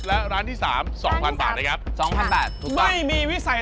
และร้านที่๓๒๐๐๐บาทนะครับ